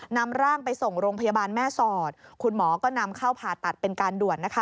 นำร่างไปส่งโรงพยาบาลแม่สอดคุณหมอก็นำเข้าผ่าตัดเป็นการด่วนนะคะ